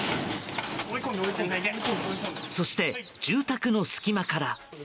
そして、住宅の隙間から。